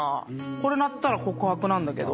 これ鳴ったら告白なんだけど。